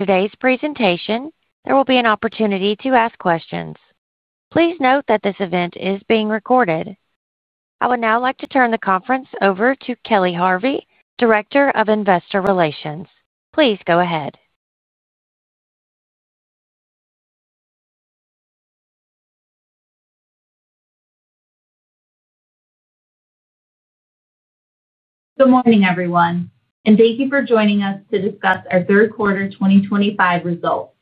Today's presentation. There will be an opportunity to ask questions. Please note that this event is being recorded. I would now like to turn the conference over to Kelly Harvey, Director of Investor Relations. Please go ahead. Good morning, everyone, and thank you for joining us to discuss our third quarter 2025 results.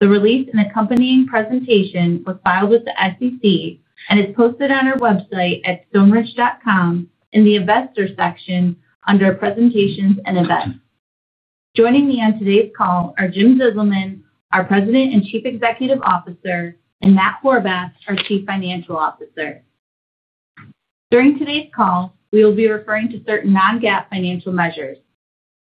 The release and accompanying presentation were filed with the SEC and are posted on our website at stoneridge.com in the Investor section under Presentations and Events. Joining me on today's call are Jim Zizelman, our President and Chief Executive Officer, and Matt Horvath, our Chief Financial Officer. During today's call, we will be referring to certain non-GAAP financial measures.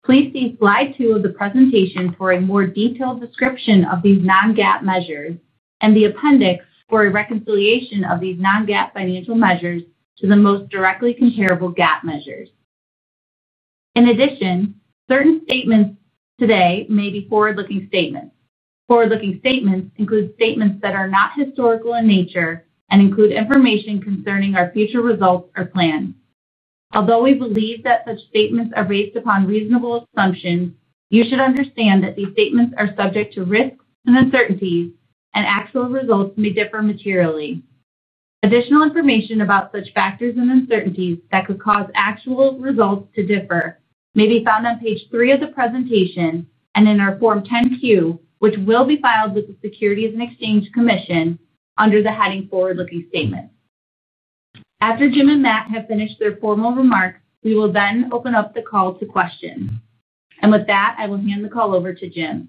Please see Slide two of the presentation for a more detailed description of these non-GAAP measures and the appendix for a reconciliation of these non-GAAP financial measures to the most directly comparable GAAP measures. In addition, certain statements today may be forward-looking statements. Forward-looking statements include statements that are not historical in nature and include information concerning our future results or plans. Although we believe that such statements are based upon reasonable assumptions, you should understand that these statements are subject to risks and uncertainties, and actual results may differ materially. Additional information about such factors and uncertainties that could cause actual results to differ may be found on Page three of the presentation and in our Form 10-Q, which will be filed with the Securities and Exchange Commission under the heading Forward-looking Statements. After Jim and Matt have finished their formal remarks, we will then open up the call to questions. With that, I will hand the call over to Jim.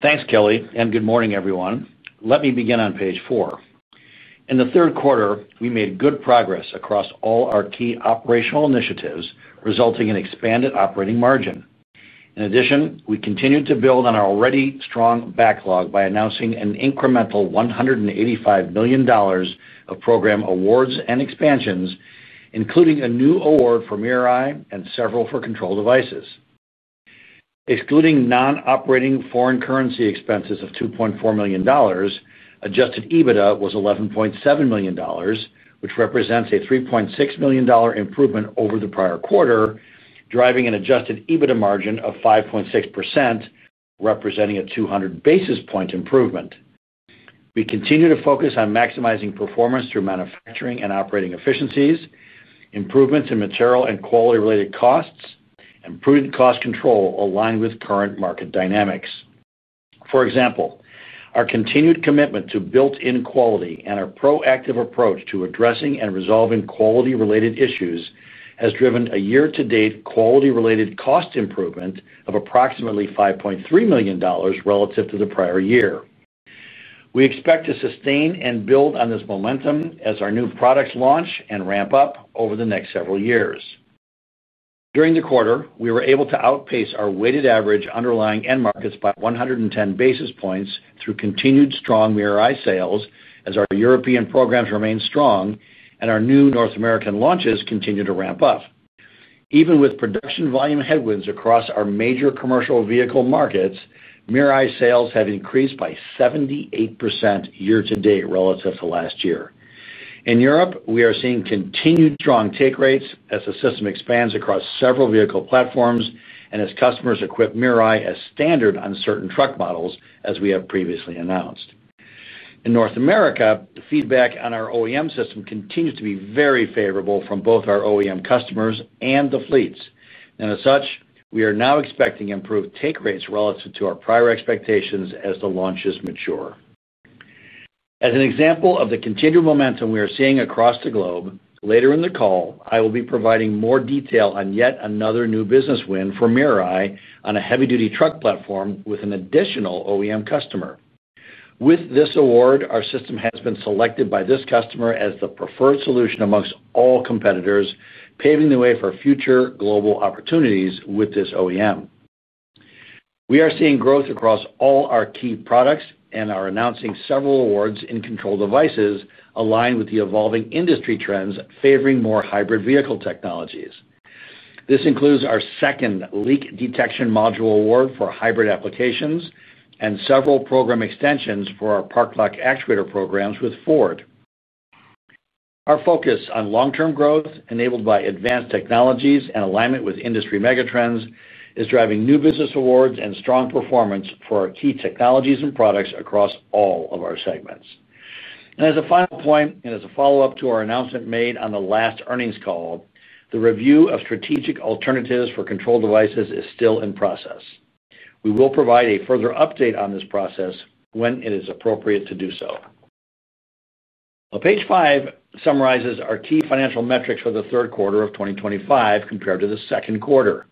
Thanks, Kelly, and good morning, everyone. Let me begin on Page four. In the third quarter, we made good progress across all our key operational initiatives, resulting in expanded operating margin. In addition, we continued to build on our already strong backlog by announcing an incremental $185 million of program awards and expansions, including a new award for [Mirai ]and several for control devices. Excluding non-operating foreign currency expenses of $2.4 million, adjusted EBITDA was $11.7 million, which represents a $3.6 million improvement over the prior quarter, driving an adjusted EBITDA margin of 5.6%, representing a 200 basis point improvement. We continue to focus on maximizing performance through manufacturing and operating efficiencies, improvements in material and quality-related costs, and prudent cost control aligned with current market dynamics. For example, our continued commitment to built-in quality and our proactive approach to addressing and resolving quality-related issues has driven a year-to-date quality-related cost improvement of approximately $5.3 million relative to the prior year. We expect to sustain and build on this momentum as our new products launch and ramp up over the next several years. During the quarter, we were able to outpace our weighted average underlying end markets by 110 basis points through continued strong Mirai sales as our European programs remain strong and our new North American launches continue to ramp up. Even with production volume headwinds across our major commercial vehicle markets, Mirai sales have increased by 78% year-to-date relative to last year. In Europe, we are seeing continued strong take rates as the system expands across several vehicle platforms and as customers equip Mirai as standard on certain truck models, as we have previously announced. In North America, the feedback on our OEM system continues to be very favorable from both our OEM customers and the fleets. As such, we are now expecting improved take rates relative to our prior expectations as the launches mature. As an example of the continued momentum we are seeing across the globe, later in the call, I will be providing more detail on yet another new business win for Mirai on a heavy-duty truck platform with an additional OEM customer. With this award, our system has been selected by this customer as the preferred solution amongst all competitors, paving the way for future global opportunities with this OEM. We are seeing growth across all our key products and are announcing several awards in control devices aligned with the evolving industry trends favoring more hybrid vehicle technologies. This includes our second leak detection module award for hybrid applications and several program extensions for our park lock actuator programs with Ford. Our focus on long-term growth, enabled by advanced technologies and alignment with industry megatrends, is driving new business awards and strong performance for our key technologies and products across all of our segments. As a final point, and as a follow-up to our announcement made on the last earnings call, the review of strategic alternatives for control devices is still in process. We will provide a further update on this process when it is appropriate to do so. Page 5 summarizes our key financial metrics for the third quarter of 2025 compared to the second quarter.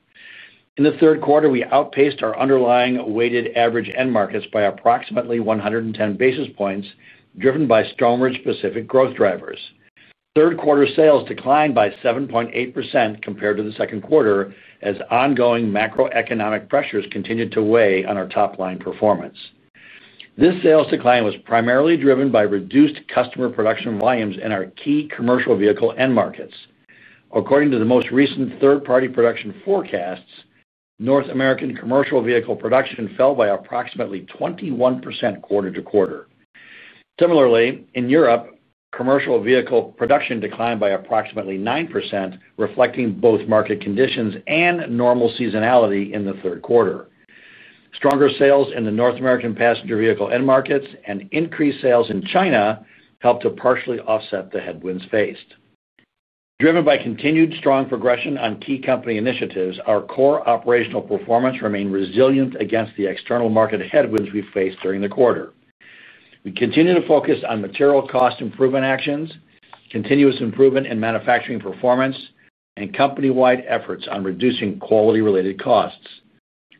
In the third quarter, we outpaced our underlying weighted average end markets by approximately 110 basis points, driven by Stoneridge-specific growth drivers. Third quarter sales declined by 7.8% compared to the second quarter as ongoing macroeconomic pressures continued to weigh on our top-line performance. This sales decline was primarily driven by reduced customer production volumes in our key commercial vehicle end markets. According to the most recent third-party production forecasts, North American commercial vehicle production fell by approximately 21% quarter-to-quarter. Similarly, in Europe, commercial vehicle production declined by approximately 9%, reflecting both market conditions and normal seasonality in the third quarter. Stronger sales in the North American passenger vehicle end markets and increased sales in China helped to partially offset the headwinds faced. Driven by continued strong progression on key company initiatives, our core operational performance remained resilient against the external market headwinds we faced during the quarter. We continue to focus on material cost improvement actions, continuous improvement in manufacturing performance, and company-wide efforts on reducing quality-related costs.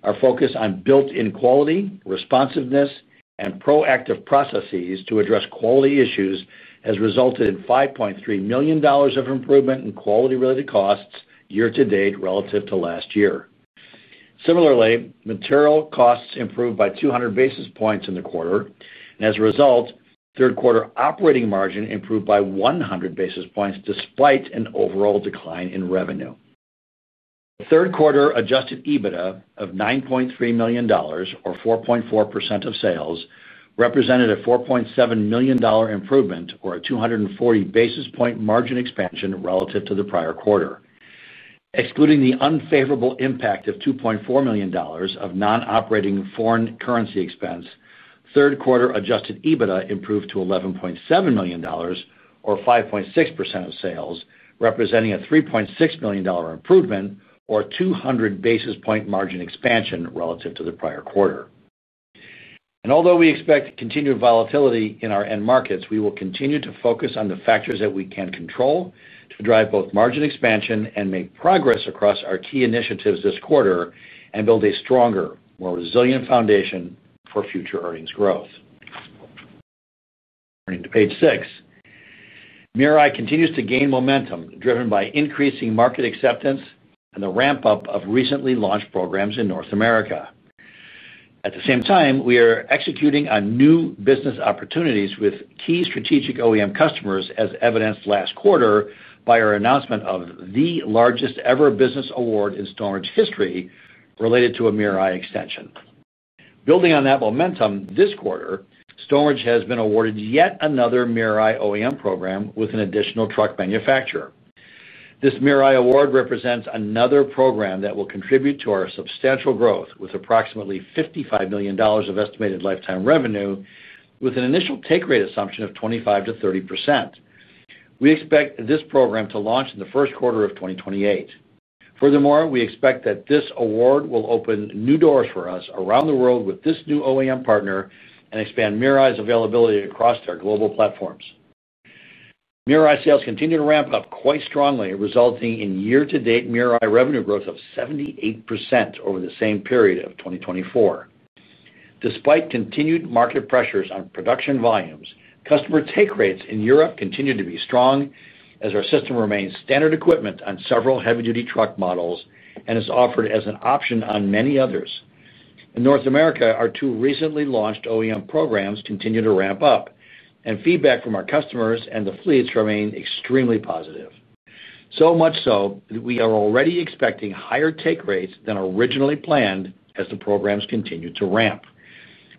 Our focus on built-in quality, responsiveness, and proactive processes to address quality issues has resulted in $5.3 million of improvement in quality-related costs year-to-date relative to last year. Similarly, material costs improved by 200 basis points in the quarter. As a result, third-quarter operating margin improved by 100 basis points despite an overall decline in revenue. Third-quarter adjusted EBITDA of $9.3 million, or 4.4% of sales, represented a $4.7 million improvement, or a 240 basis point margin expansion relative to the prior quarter. Excluding the unfavorable impact of $2.4 million of non-operating foreign currency expense, third-quarter adjusted EBITDA improved to $11.7 million, or 5.6% of sales, representing a $3.6 million improvement, or 200 basis point margin expansion relative to the prior quarter. Although we expect continued volatility in our end markets, we will continue to focus on the factors that we can control to drive both margin expansion and make progress across our key initiatives this quarter and build a stronger, more resilient foundation for future earnings growth. Page six, Mirai continues to gain momentum driven by increasing market acceptance and the ramp-up of recently launched programs in North America. At the same time, we are executing on new business opportunities with key strategic OEM customers, as evidenced last quarter by our announcement of the largest-ever business award in Stoneridge history related to a Mirai extension. Building on that momentum this quarter, Stoneridge has been awarded yet another Mirai OEM program with an additional truck manufacturer. This Mirai award represents another program that will contribute to our substantial growth with approximately $55 million of estimated lifetime revenue, with an initial take rate assumption of 25%-30%. We expect this program to launch in the first quarter of 2028. Furthermore, we expect that this award will open new doors for us around the world with this new OEM partner and expand Mirai's availability across our global platforms. Mirai sales continue to ramp up quite strongly, resulting in year-to-date Mirai revenue growth of 78% over the same period of 2024. Despite continued market pressures on production volumes, customer take rates in Europe continue to be strong as our system remains standard equipment on several heavy-duty truck models and is offered as an option on many others. In North America, our two recently launched OEM programs continue to ramp up, and feedback from our customers and the fleets remains extremely positive. So much so that we are already expecting higher take rates than originally planned as the programs continue to ramp.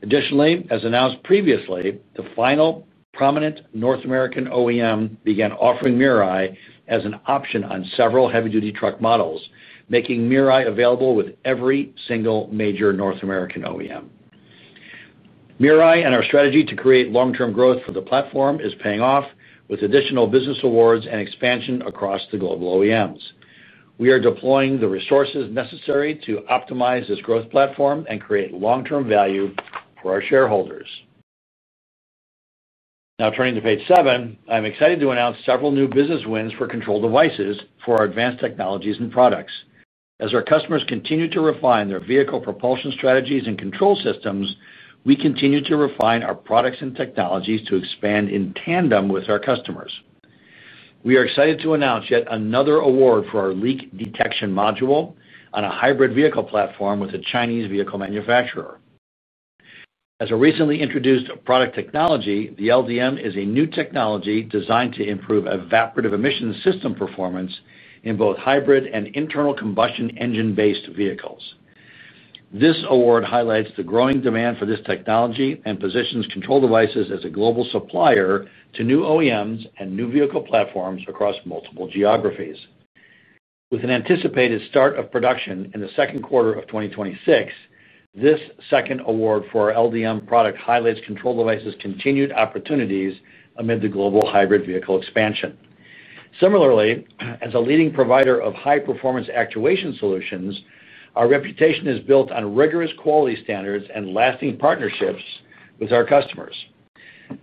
Additionally, as announced previously, the final prominent North American OEM began offering Mirai as an option on several heavy-duty truck models, making Mirai available with every single major North American OEM. Mirai and our strategy to create long-term growth for the platform is paying off with additional business awards and expansion across the global OEMs. We are deploying the resources necessary to optimize this growth platform and create long-term value for our shareholders. Now, turning to Page seven, I'm excited to announce several new business wins for control devices for our advanced technologies and products. As our customers continue to refine their vehicle propulsion strategies and control systems, we continue to refine our products and technologies to expand in Tandem with our customers. We are excited to announce yet another award for our leak detection module on a hybrid vehicle platform with a Chinese vehicle manufacturer. As a recently introduced product technology, the LDM is a new technology designed to improve evaporative emission system performance in both hybrid and internal combustion engine-based vehicles. This award highlights the growing demand for this technology and positions Control Devices as a global supplier to new OEMs and new vehicle platforms across multiple geographies. With an anticipated start of production in the second quarter of 2026, this second award for our LDM product highlights Control Devices' continued opportunities amid the global hybrid vehicle expansion. Similarly, as a leading provider of high-performance actuation solutions, our reputation is built on rigorous quality standards and lasting partnerships with our customers.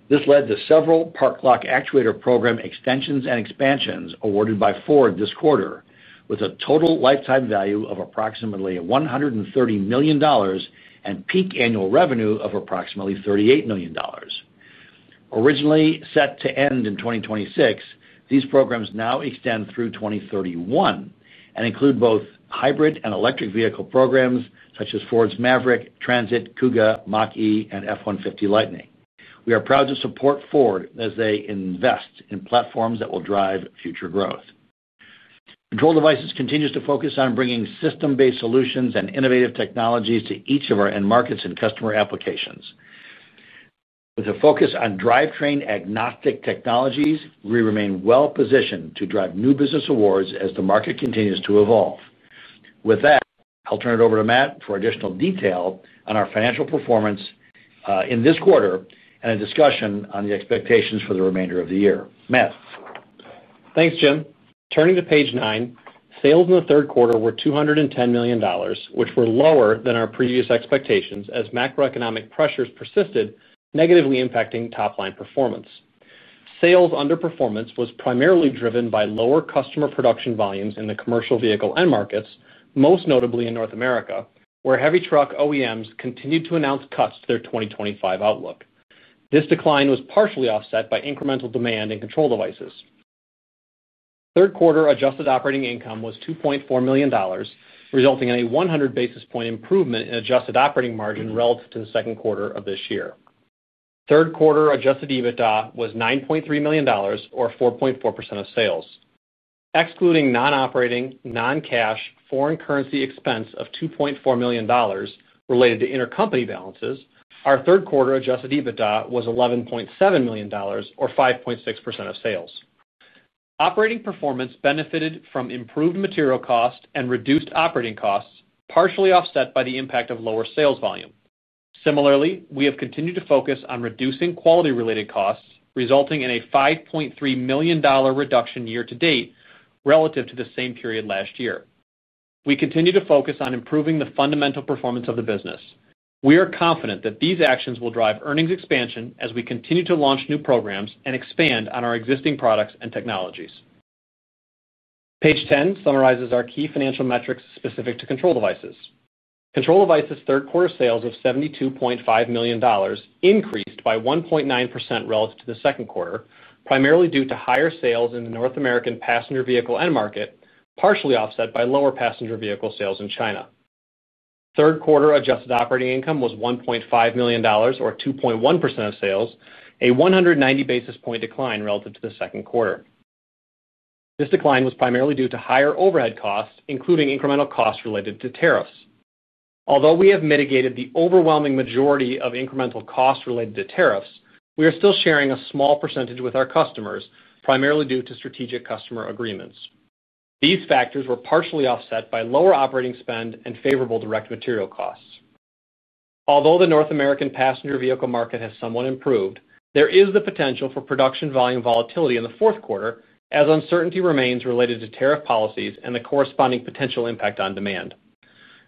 This led to several Park Lock Actuator program extensions and expansions awarded by Ford this quarter, with a total lifetime value of approximately $130 million and peak annual revenue of approximately $38 million. Originally set to end in 2026, these programs now extend through 2031 and include both hybrid and electric vehicle programs such as Ford's Maverick, Transit, Kuga, Mach-E, and F-150 Lightning. We are proud to support Ford as they invest in platforms that will drive future growth. Control devices continue to focus on bringing system-based solutions and innovative technologies to each of our end markets and customer applications. With a focus on drivetrain agnostic technologies, we remain well-positioned to drive new business awards as the market continues to evolve. With that, I'll turn it over to Matt for additional detail on our financial performance in this quarter and a discussion on the expectations for the remainder of the year. Matt. Thanks, Jim. Turning to Page nine, sales in the third quarter were $210 million, which were lower than our previous expectations as macroeconomic pressures persisted, negatively impacting top-line performance. Sales underperformance was primarily driven by lower customer production volumes in the commercial vehicle end markets, most notably in North America, where heavy truck OEMs continued to announce cuts to their 2025 outlook. This decline was partially offset by incremental demand in control devices. Third-quarter adjusted operating income was $2.4 million, resulting in a 100 basis point improvement in adjusted operating margin relative to the second quarter of this year. Third-quarter adjusted EBITDA was $9.3 million, or 4.4% of sales. Excluding non-operating, non-cash, foreign currency expense of $2.4 million related to intercompany balances, our third-quarter adjusted EBITDA was $11.7 million, or 5.6% of sales. Operating performance benefited from improved material costs and reduced operating costs, partially offset by the impact of lower sales volume. Similarly, we have continued to focus on reducing quality-related costs, resulting in a $5.3 million reduction year-to-date relative to the same period last year. We continue to focus on improving the fundamental performance of the business. We are confident that these actions will drive earnings expansion as we continue to launch new programs and expand on our existing products and technologies. Page 10 summarizes our key financial metrics specific to control devices. Control devices' third-quarter sales of $72.5 million increased by 1.9% relative to the second quarter, primarily due to higher sales in the North American passenger vehicle end market, partially offset by lower passenger vehicle sales in China. Third-quarter adjusted operating income was $1.5 million, or 2.1% of sales, a 190 basis point decline relative to the second quarter. This decline was primarily due to higher overhead costs, including incremental costs related to tariffs. Although we have mitigated the overwhelming majority of incremental costs related to tariffs, we are still sharing a small percentage with our customers, primarily due to strategic customer agreements. These factors were partially offset by lower operating spend and favorable direct material costs. Although the North American passenger vehicle market has somewhat improved, there is the potential for production volume volatility in the fourth quarter, as uncertainty remains related to tariff policies and the corresponding potential impact on demand.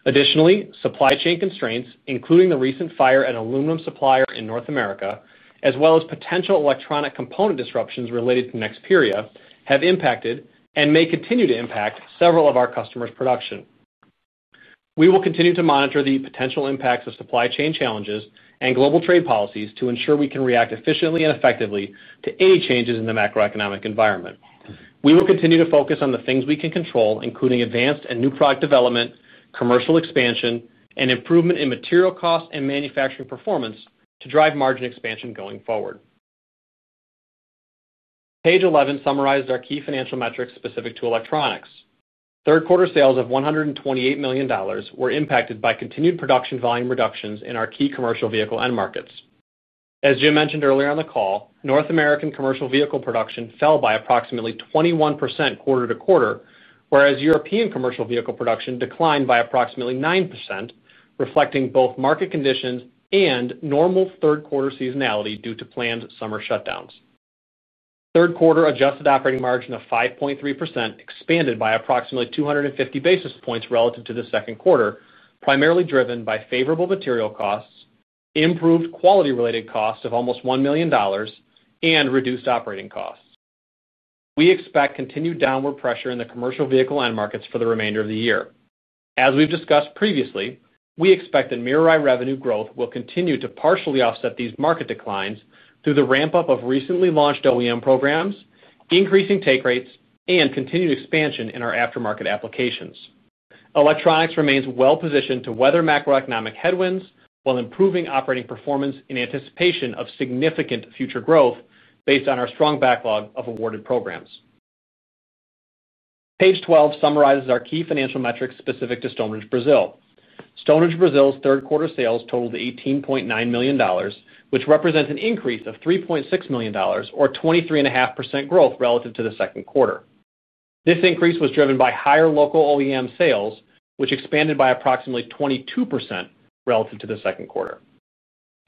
Additionally, supply chain constraints, including the recent fire at an aluminum supplier in North America, as well as potential electronic component disruptions related to Nexperia, have impacted and may continue to impact several of our customers' production. We will continue to monitor the potential impacts of supply chain challenges and global trade policies to ensure we can react efficiently and effectively to any changes in the macroeconomic environment. We will continue to focus on the things we can control, including advanced and new product development, commercial expansion, and improvement in material costs and manufacturing performance to drive margin expansion going forward. Page 11 summarizes our key financial metrics specific to electronics. Third-quarter sales of $128 million were impacted by continued production volume reductions in our key commercial vehicle end markets. As Jim mentioned earlier on the call, North American commercial vehicle production fell by approximately 21% quarter-to-quarter, whereas European commercial vehicle production declined by approximately 9%, reflecting both market conditions and normal third-quarter seasonality due to planned summer shutdowns. Third-quarter adjusted operating margin of 5.3% expanded by approximately 250 basis points relative to the second quarter, primarily driven by favorable material costs, improved quality-related costs of almost $1 million, and reduced operating costs. We expect continued downward pressure in the commercial vehicle end markets for the remainder of the year. As we've discussed previously, we expect that Mirai revenue growth will continue to partially offset these market declines through the ramp-up of recently launched OEM programs, increasing take rates, and continued expansion in our aftermarket applications. Electronics remains well-positioned to weather macroeconomic headwinds while improving operating performance in anticipation of significant future growth based on our strong backlog of awarded programs. Page 12 summarizes our key financial metrics specific to Stoneridge Brazil. Stoneridge Brazil's third-quarter sales totaled $18.9 million, which represents an increase of $3.6 million, or 23.5% growth relative to the second quarter. This increase was driven by higher local OEM sales, which expanded by approximately 22% relative to the second quarter.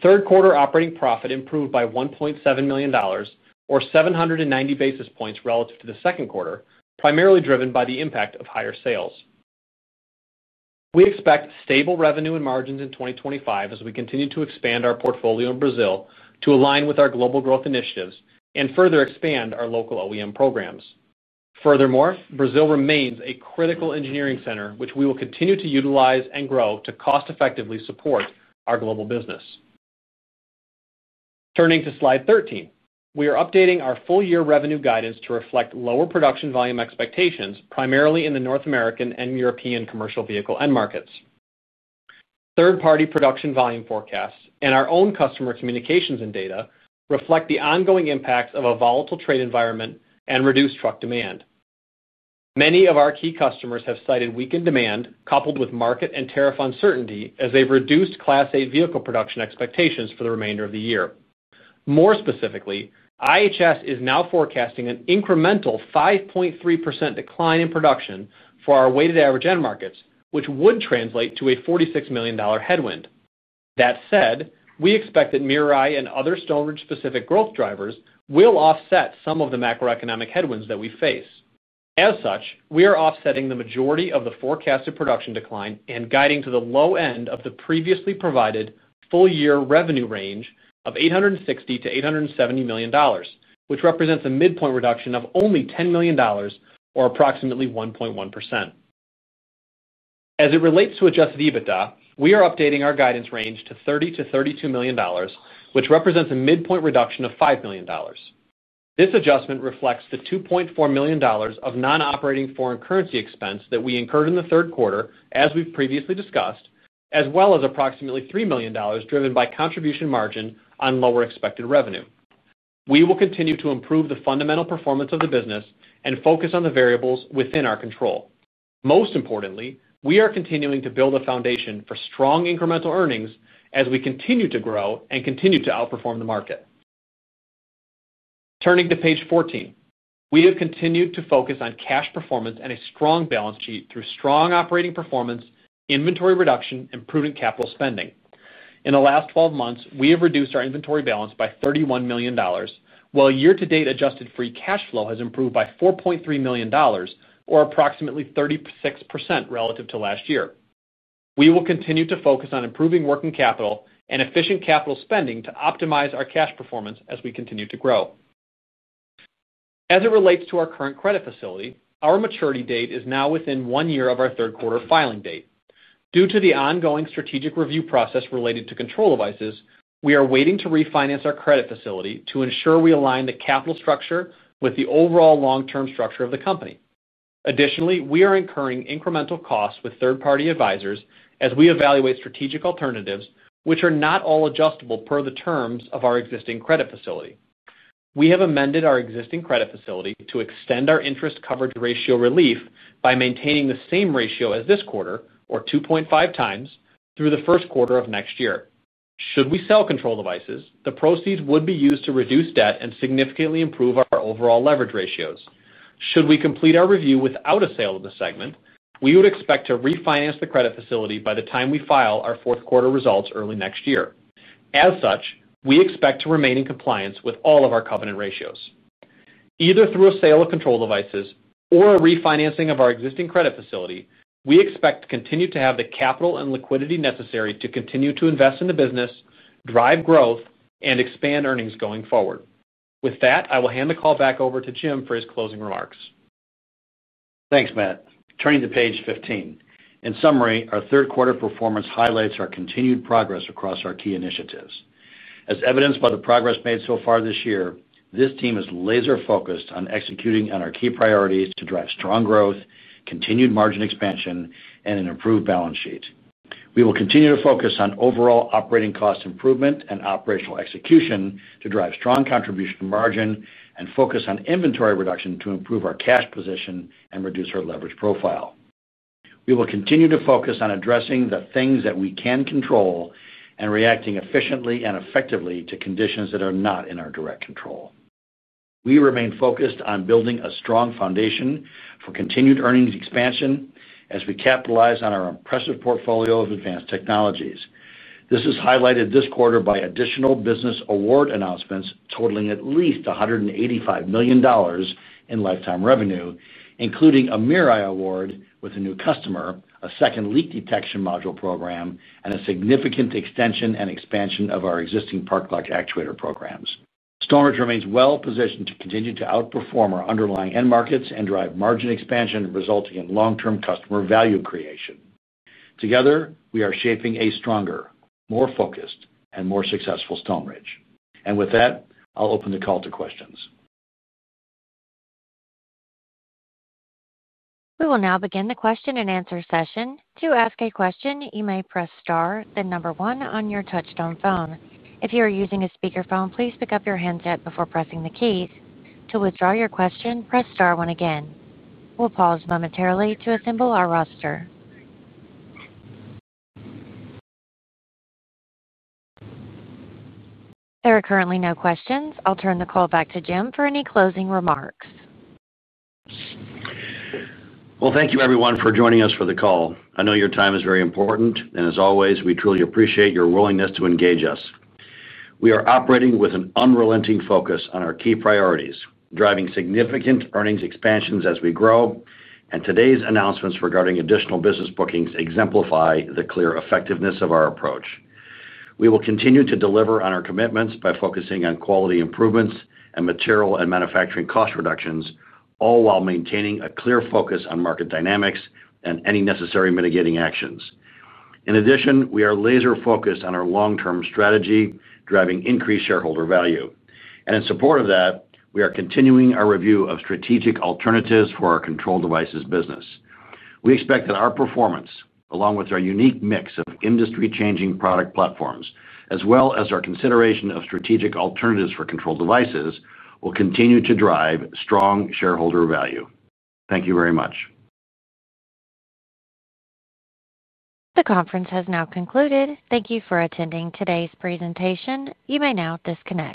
Third-quarter operating profit improved by $1.7 million, or 790 basis points relative to the second quarter, primarily driven by the impact of higher sales. We expect stable revenue and margins in 2025 as we continue to expand our portfolio in Brazil to align with our global growth initiatives and further expand our local OEM programs. Furthermore, Brazil remains a critical engineering center, which we will continue to utilize and grow to cost-effectively support our global business. Turning to Slide 13, we are updating our full-year revenue guidance to reflect lower production volume expectations, primarily in the North American and European commercial vehicle end markets. Third-party production volume forecasts and our own customer communications and data reflect the ongoing impacts of a volatile trade environment and reduced truck demand. Many of our key customers have cited weakened demand coupled with market and tariff uncertainty as they have reduced Class 8 vehicle production expectations for the remainder of the year. More specifically, IHS Markit is now forecasting an incremental 5.3% decline in production for our weighted average end markets, which would translate to a $46 million headwind. That said, we expect that Mirai and other Stoneridge-specific growth drivers will offset some of the macroeconomic headwinds that we face. As such, we are offsetting the majority of the forecasted production decline and guiding to the low end of the previously provided full-year revenue range of $860 million-$870 million, which represents a midpoint reduction of only $10 million, or approximately 1.1%. As it relates to adjusted EBITDA, we are updating our guidance range to $30 million-$32 million, which represents a midpoint reduction of $5 million. This adjustment reflects the $2.4 million of non-operating foreign currency expense that we incurred in the third quarter, as we've previously discussed, as well as approximately $3 million driven by contribution margin on lower expected revenue. We will continue to improve the fundamental performance of the business and focus on the variables within our control. Most importantly, we are continuing to build a foundation for strong incremental earnings as we continue to grow and continue to outperform the market. Turning to Page 14, we have continued to focus on cash performance and a strong balance sheet through strong operating performance, inventory reduction, and prudent capital spending. In the last 12 months, we have reduced our inventory balance by $31 million, while year-to-date adjusted free cash flow has improved by $4.3 million, or approximately 36% relative to last year. We will continue to focus on improving working capital and efficient capital spending to optimize our cash performance as we continue to grow. As it relates to our current credit facility, our maturity date is now within one year of our third-quarter filing date. Due to the ongoing strategic review process related to control devices, we are waiting to refinance our credit facility to ensure we align the capital structure with the overall long-term structure of the company. Additionally, we are incurring incremental costs with third-party advisors as we evaluate strategic alternatives, which are not all adjustable per the terms of our existing credit facility. We have amended our existing credit facility to extend our interest coverage ratio relief by maintaining the same ratio as this quarter, or 2.5x, through the first quarter of next year. Should we sell control devices, the proceeds would be used to reduce debt and significantly improve our overall leverage ratios. Should we complete our review without a sale of the segment, we would expect to refinance the credit facility by the time we file our fourth-quarter results early next year. As such, we expect to remain in compliance with all of our covenant ratios. Either through a sale of control devices or a refinancing of our existing credit facility, we expect to continue to have the capital and liquidity necessary to continue to invest in the business, drive growth, and expand earnings going forward. With that, I will hand the call back over to Jim for his closing remarks. Thanks, Matt. Turning to Page 15, in summary, our third-quarter performance highlights our continued progress across our key initiatives. As evidenced by the progress made so far this year, this team is laser-focused on executing on our key priorities to drive strong growth, continued margin expansion, and an improved balance sheet. We will continue to focus on overall operating cost improvement and operational execution to drive strong contribution margin and focus on inventory reduction to improve our cash position and reduce our leverage profile. We will continue to focus on addressing the things that we can control and reacting efficiently and effectively to conditions that are not in our direct control. We remain focused on building a strong foundation for continued earnings expansion as we capitalize on our impressive portfolio of advanced technologies. This is highlighted this quarter by additional business award announcements totaling at least $185 million in lifetime revenue, including a Mirai award with a new customer, a second Leak Detection Module program, and a significant extension and expansion of our existing Park Lock Actuator programs. Stoneridge remains well-positioned to continue to outperform our underlying end markets and drive margin expansion, resulting in long-term customer value creation. Together, we are shaping a stronger, more focused, and more successful Stoneridge. With that, I'll open the call to questions. We will now begin the question and answer session. To ask a question, you may press star then number one on your touch-tone phone. If you are using a speakerphone, please pick up your handset before pressing the keys. To withdraw your question, press star one again. We will pause momentarily to assemble our roster. There are currently no questions. I will turn the call back to Jim for any closing remarks. Thank you, everyone, for joining us for the call. I know your time is very important, and as always, we truly appreciate your willingness to engage us. We are operating with an unrelenting focus on our key priorities, driving significant earnings expansions as we grow, and today's announcements regarding additional business bookings exemplify the clear effectiveness of our approach. We will continue to deliver on our commitments by focusing on quality improvements and material and manufacturing cost reductions, all while maintaining a clear focus on market dynamics and any necessary mitigating actions. In addition, we are laser-focused on our long-term strategy, driving increased shareholder value. In support of that, we are continuing our review of strategic alternatives for our control devices business. We expect that our performance, along with our unique mix of industry-changing product platforms, as well as our consideration of strategic alternatives for control devices, will continue to drive strong shareholder value. Thank you very much. The conference has now concluded. Thank you for attending today's presentation. You may now disconnect.